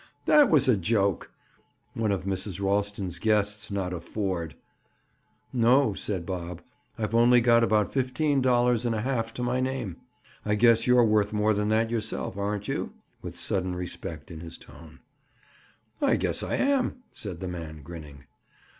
That was a joke. One of Mrs. Ralston's guests, not afford—! "No," said Bob. "I've only got about fifteen dollars and a half to my name. I guess you're worth more than that yourself, aren't you?" With sudden respect in his tone. "I guess I am," said the man, grinning.